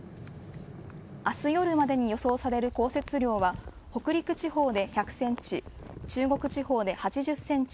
明日夜までに予想される降雪量は北陸地方で１００センチ中国地方で８０センチ